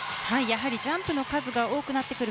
ジャンプの数が多くなってくる